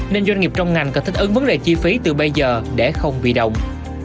nên doanh nghiệp trong ngành cần thích ứng vấn đề chi phí từ bây giờ để không bị động